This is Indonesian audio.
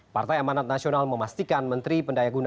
partai amanat nasional memastikan menteri pendaya guna